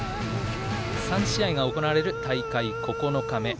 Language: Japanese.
３試合が行われる大会９日目。